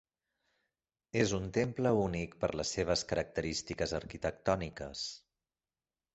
És un temple únic per les seves característiques arquitectòniques.